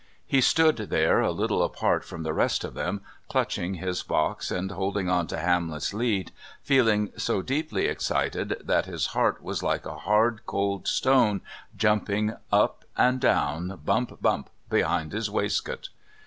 He stood there, a little apart from the rest of them, clutching his box, and holding on to Hamlet's lead, feeling so deeply excited that his heart was like a hard, cold stone jumping up and down, bump, bump, behind his waistcoat.